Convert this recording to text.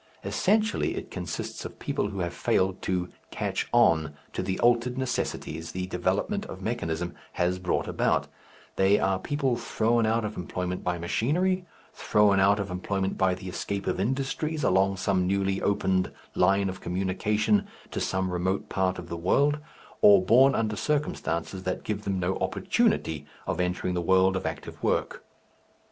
Essentially it consists of people who have failed to "catch on" to the altered necessities the development of mechanism has brought about, they are people thrown out of employment by machinery, thrown out of employment by the escape of industries along some newly opened line of communication to some remote part of the world, or born under circumstances that give them no opportunity of entering the world of active work.